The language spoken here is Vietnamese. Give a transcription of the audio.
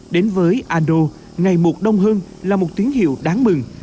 đến với a nô ngày một đông hơn là một tiếng hiệu đáng mừng